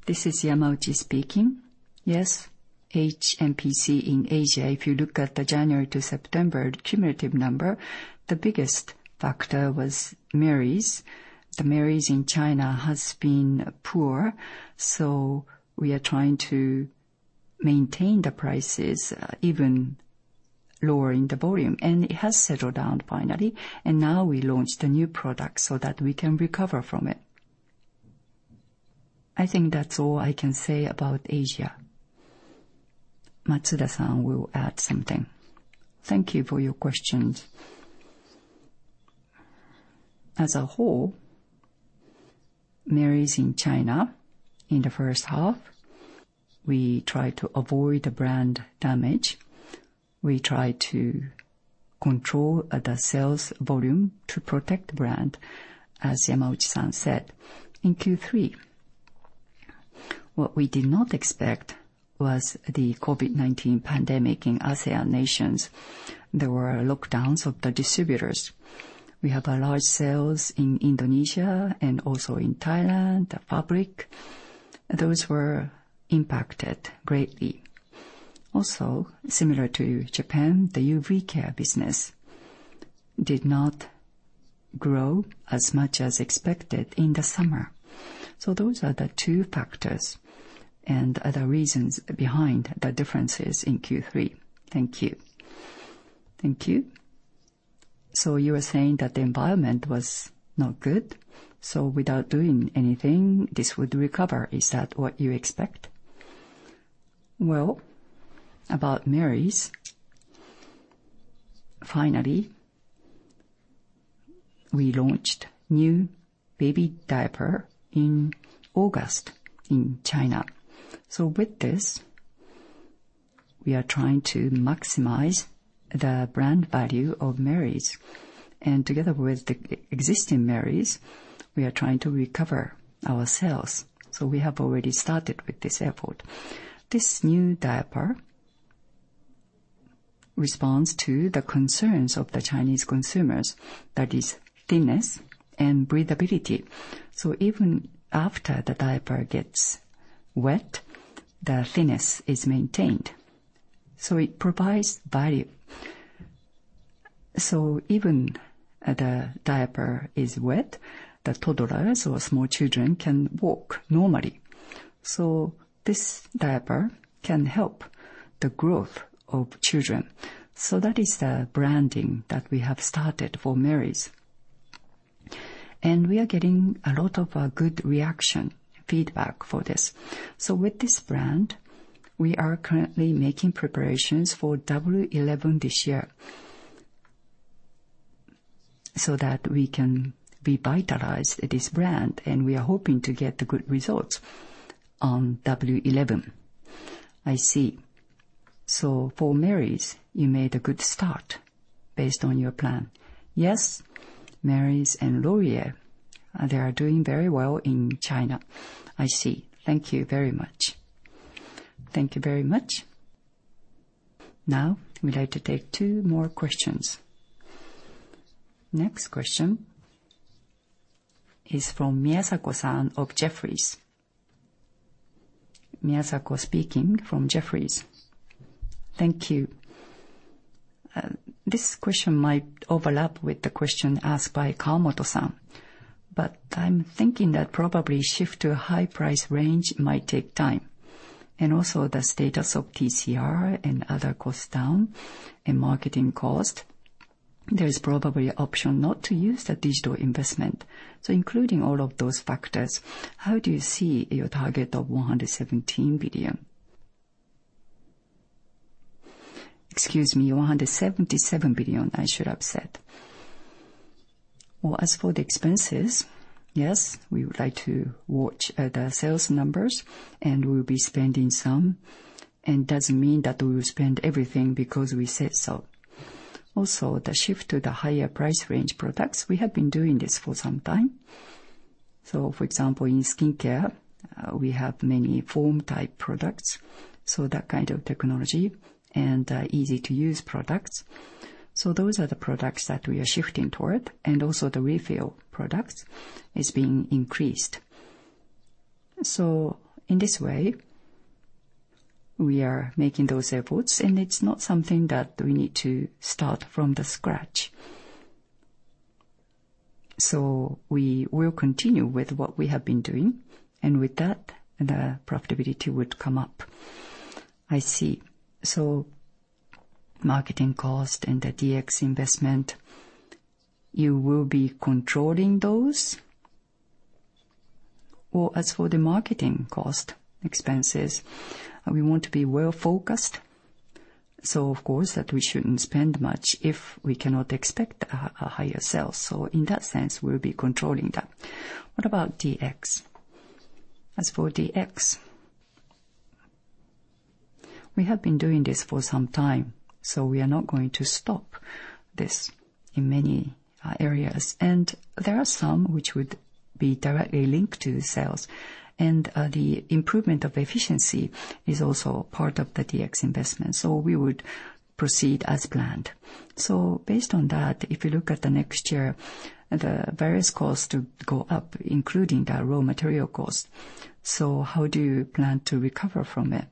This is Yamauchi speaking. Yes. HMPC in Asia, if you look at the January to September cumulative number, the biggest factor was Merries. The Merries in China has been poor, so we are trying to maintain the prices, even lowering the volume. It has settled down finally, and now we launched a new product so that we can recover from it. I think that's all I can say about Asia. Matsuda-san will add something. Thank you for your questions. As a whole, Merries in China in the first half, we try to avoid the brand damage. We try to control the sales volume to protect the brand, as Yamauchi-san said. In Q3, what we did not expect was the COVID-19 pandemic in ASEAN nations. There were lockdowns of the distributors. We have large sales in Indonesia and also in Thailand, the public, those were impacted greatly. Also, similar to Japan, the UV care business did not grow as much as expected in the summer. Those are the two factors and other reasons behind the differences in Q3. Thank you. You are saying that the environment was not good, so without doing anything, this would recover. Is that what you expect? Well, about Merries, finally we launched new baby diaper in August in China. With this, we are trying to maximize the brand value of Merries. Together with the existing Merries, we are trying to recover our sales. We have already started with this effort. This new diaper responds to the concerns of the Chinese consumers, that is thinness and breathability. Even after the diaper gets wet, the thinness is maintained, so it provides value. Even the diaper is wet, the toddlers or small children can walk normally. This diaper can help the growth of children. That is the branding that we have started for Merries. We are getting a lot of good reaction feedback for this. With this brand, we are currently making preparations for Double 11 this year so that we can revitalize this brand, and we are hoping to get good results on Double 11. I see. For Merries, you made a good start based on your plan. Yes. Merries and Laurier, they are doing very well in China. I see. Thank you very much. Thank you very much. Now we'd like to take two more questions. Next question is from Miyazako-san of Jefferies. Miyazako speaking from Jefferies. Thank you. This question might overlap with the question asked by Kawamoto-san. I'm thinking that probably shift to a high price range might take time, and also the status of TCR and other costs down and marketing cost, there is probably option not to use the digital investment. Including all of those factors, how do you see your target of 117 billion? Excuse me, 177 billion, I should have said. Well, as for the expenses, yes, we would like to watch the sales numbers, and we'll be spending some, and it doesn't mean that we will spend everything because we said so. Also, the shift to the higher price range products, we have been doing this for some time. For example, in skincare, we have many foam-type products, so that kind of technology, and easy-to-use products. Those are the products that we are shifting toward, and also the refill products is being increased. In this way, we are making those efforts, and it's not something that we need to start from scratch. We will continue with what we have been doing, and with that, the profitability would come up. I see. Marketing cost and the DX investment, you will be controlling those? Well, as for the marketing cost expenses, we want to be well-focused, so of course that we shouldn't spend much if we cannot expect higher sales. In that sense, we'll be controlling that. What about DX? As for DX, we have been doing this for some time, so we are not going to stop this in many areas. There are some which would be directly linked to sales. The improvement of efficiency is also part of the DX investment, so we would proceed as planned. Based on that, if you look at the next year, the various costs to go up, including the raw material cost, so how do you plan to recover from it?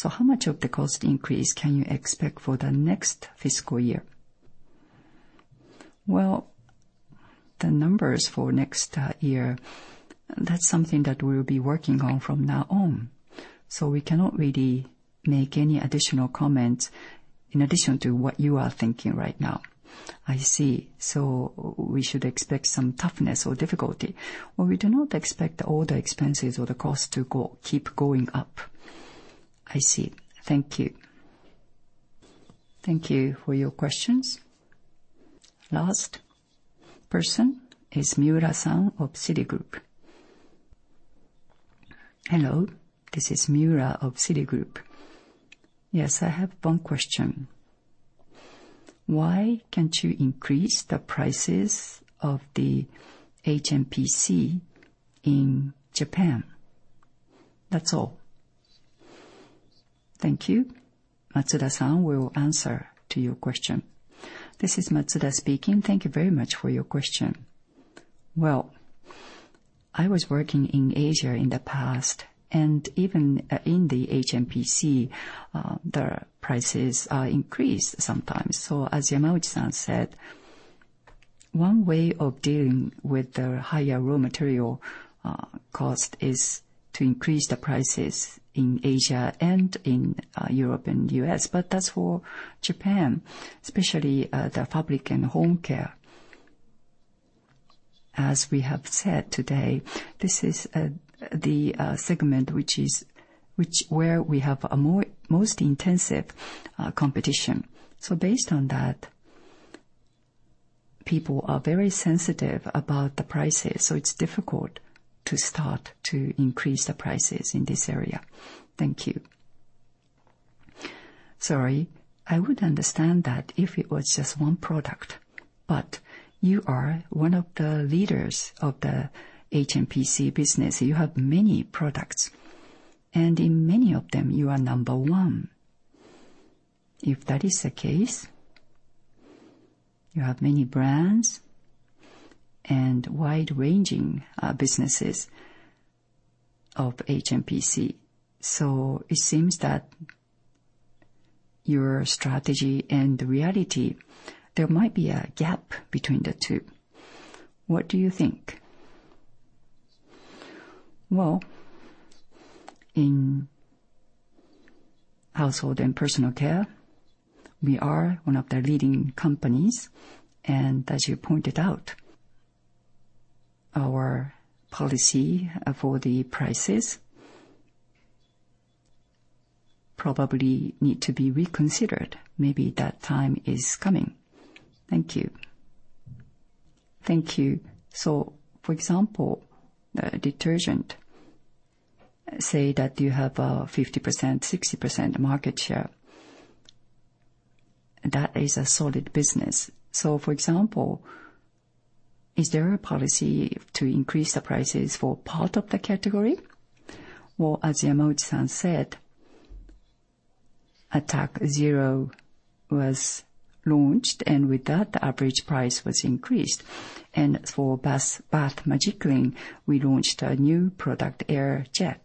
How much of the cost increase can you expect for the next fiscal year? Well, the numbers for next year, that's something that we'll be working on from now on. We cannot really make any additional comments in addition to what you are thinking right now. I see. We should expect some toughness or difficulty. Well, we do not expect all the expenses or the cost to keep going up. I see. Thank you. Thank you for your questions. Last person is Miura-san of Citigroup. Hello, this is Miura of Citigroup. Yes, I have one question. Why can't you increase the prices of the HMPC in Japan? That's all. Thank you. Matsuda-san will answer to your question. This is Matsuda speaking. Thank you very much for your question. Well, I was working in Asia in the past, and even in the HMPC, the prices are increased sometimes. As Yamauchi-san said, one way of dealing with the higher raw material cost is to increase the prices in Asia and in Europe and U.S. As for Japan, especially, the Fabric and Home Care, as we have said today, this is the segment which is where we have the most intensive competition. Based on that, people are very sensitive about the prices, so it's difficult to start to increase the prices in this area. Thank you. Sorry. I would understand that if it was just one product, but you are one of the leaders of the HMPC business. You have many products, and in many of them, you are number one. If that is the case, you have many brands and wide-ranging businesses of HMPC. It seems that your strategy and the reality, there might be a gap between the two. What do you think? Well, in Household and Personal Care, we are one of the leading companies. As you pointed out, our policy for the prices probably need to be reconsidered. Maybe that time is coming. Thank you. Thank you. For example, the detergent, say that you have a 50%, 60% market share. That is a solid business. For example, is there a policy to increase the prices for part of the category? Well, as Yamauchi-san said, Attack ZERO was launched, and with that, the average price was increased. For Bath Magiclean, we launched a new product, AirJet.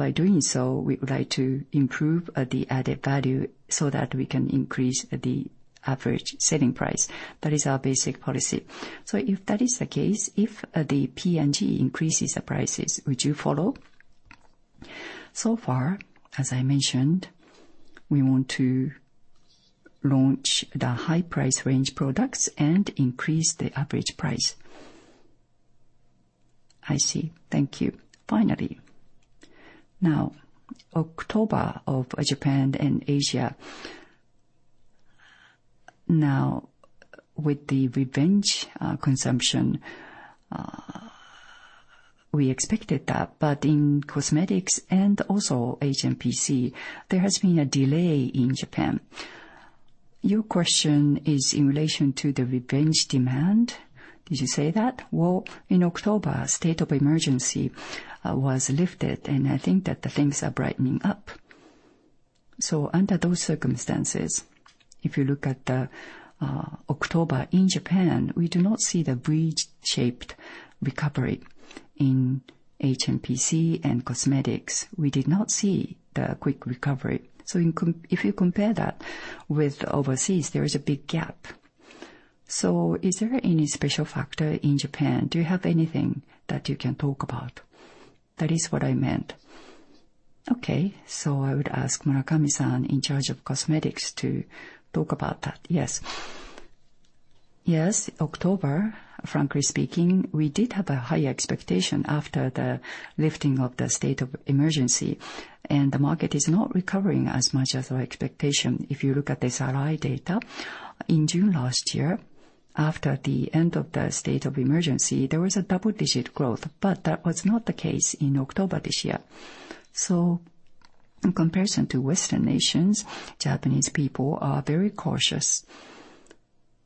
By doing so, we would like to improve the added value so that we can increase the average selling price. That is our basic policy. If that is the case, if the P&G increases the prices, would you follow? Far, as I mentioned, we want to launch the high price range products and increase the average price. I see. Thank you. Finally, now October of Japan and Asia. Now with the revenge consumption, we expected that, but in Cosmetics and also HMPC, there has been a delay in Japan. Your question is in relation to the revenge demand? Did you say that? Well, in October, state of emergency was lifted, and I think that the things are brightening up. Under those circumstances, if you look at the October in Japan, we do not see the V-shaped recovery in HMPC and Cosmetics. We did not see the quick recovery. If you compare that with overseas, there is a big gap. Is there any special factor in Japan? Do you have anything that you can talk about? That is what I meant. Okay. I would ask Murakami-san, in charge of Cosmetics, to talk about that. Yes. Yes. October, frankly speaking, we did have a high expectation after the lifting of the state of emergency, and the market is not recovering as much as our expectation. If you look at the SRI data, in June last year, after the end of the state of emergency, there was a double-digit growth. That was not the case in October this year. In comparison to Western nations, Japanese people are very cautious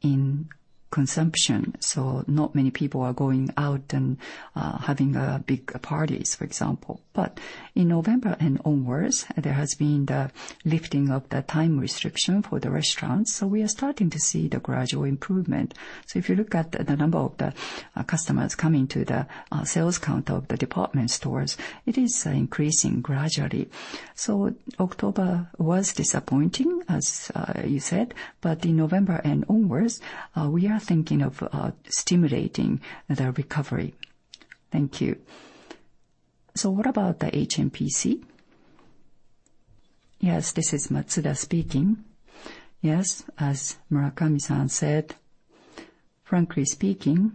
in consumption, so not many people are going out and having big parties, for example. In November and onwards, there has been the lifting of the time restriction for the restaurants, so we are starting to see the gradual improvement. If you look at the number of the customers coming to the sales count of the department stores, it is increasing gradually. October was disappointing, as you said, but in November and onwards, we are thinking of stimulating the recovery. Thank you. What about the HMPC? Yes. This is Matsuda speaking. Yes. As Murakami-san said, frankly speaking,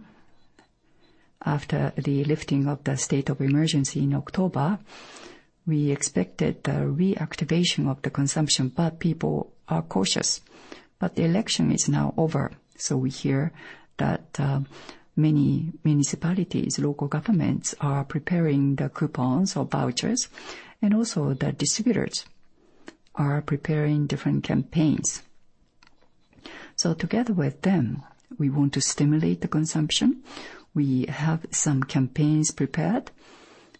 after the lifting of the state of emergency in October, we expected the reactivation of the consumption, but people are cautious. The election is now over, so we hear that many municipalities, local governments are preparing the coupons or vouchers, and also the distributors are preparing different campaigns. Together with them, we want to stimulate the consumption. We have some campaigns prepared,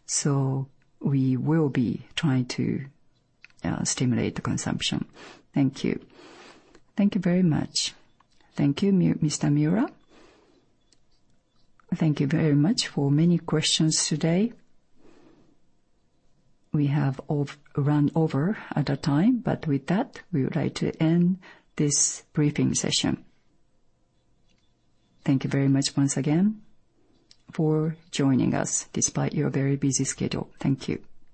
so we will be trying to stimulate the consumption. Thank you. Thank you very much. Thank you, Mr. Miura. Thank you very much for many questions today. We have run over the time, but with that, we would like to end this briefing session. Thank you very much once again for joining us despite your very busy schedule. Thank you.